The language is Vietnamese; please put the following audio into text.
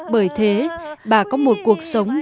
bởi thế bà có một cuộc sống đầm ấm